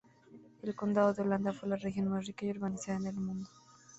El Condado de Holanda fue la región más rica y urbanizada en el mundo.